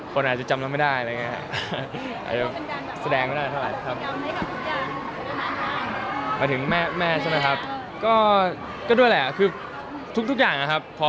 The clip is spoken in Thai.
คนอาจจำไว้ไม่ได้อะไรแบบนี้